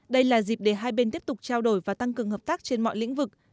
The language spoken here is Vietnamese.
đây là dịp để hai bên tiếp tục trao đổi và tăng cường hợp tác trên mọi lĩnh vực